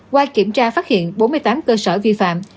qua kiểm tra phát hiện bốn mươi tám cơ sở vi phạm